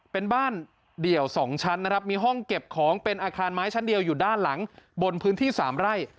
เป็นบ้านเดี่ยว๒ชั้นนะครับมีห้องเก็บของเป็นอาคารไม้ชั้นเดียวอยู่ด้านหลังบนพื้นที่๓ไร่